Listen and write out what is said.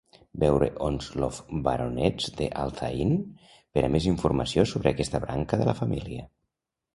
Veure Onslow baronets de Althain per a més informació sobre aquesta branca de la família.